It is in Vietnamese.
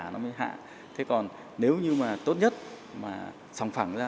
nó mới hạ thế còn nếu như mà tốt nhất mà sòng phẳng ra